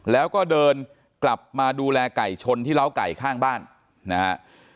แล้วก็เดินกลับมาดูแลไก่ชนที่เล้าไก่ข้างบ้านนะฮะ